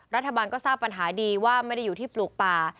รัฐบาลก็ทราบปัญหาดีว่าไม่ได้อยู่ที่ปลูกป่า